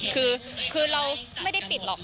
คือเราไม่ได้ปิดหรอก